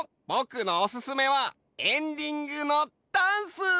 ぼくのおすすめはエンディングのダンス！